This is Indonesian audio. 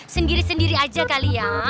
sendiri sendiri aja kali ya